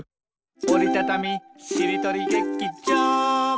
「おりたたみしりとり劇場」